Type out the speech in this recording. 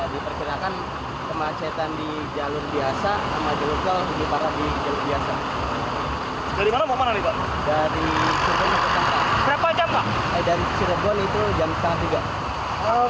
diperkirakan kemacetan di jalur biasa sama jalan tol juga dijalur biasa